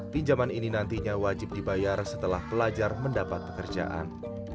pinjaman ini nantinya wajib dibayar setelah pelajar mendapat pekerjaan